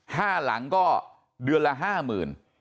ห้าหลังก็เดือนละห้าหมื่น